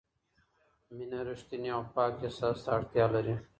مینه رښتیني او پاک احساس ته اړتیا لري.